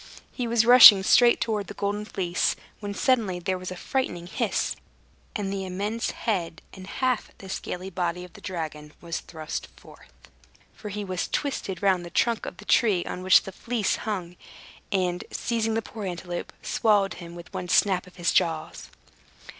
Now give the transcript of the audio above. He was rushing straight towards the Golden Fleece, when suddenly there was a frightful hiss, and the immense head and half the scaly body of the dragon was thrust forth (for he was twisted round the trunk of the tree on which the Fleece hung), and seizing the poor antelope, swallowed him with one snap of his jaws.